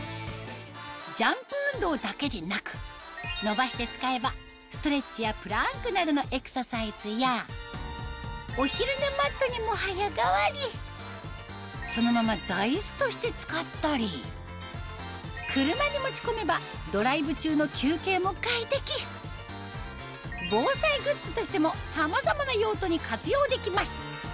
ジャンプ運動だけでなく伸ばして使えばストレッチやプランクなどのエクササイズやお昼寝マットにも早変わりそのまま座椅子として使ったり車に持ち込めばドライブ中の休憩も快適防災グッズとしてもさまざまな用途に活用できます